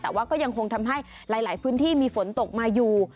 แต่ว่าก็ยังคงทำให้หลายพื้นที่มีฝนตกมาอยู่